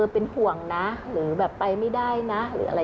เป็นห่วงนะหรือแบบไปไม่ได้นะ